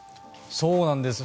そうなんです。